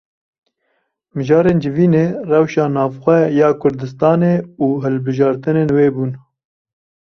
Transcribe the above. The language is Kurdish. Mijarên civînê rewşa navxwe ya Kurdistanê û hilbijartinên wê bûn.